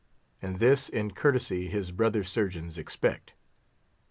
And this, in courtesy, his brother surgeons expect.